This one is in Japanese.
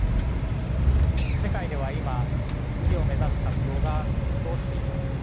世界では今月を目指す活動が加速をしています。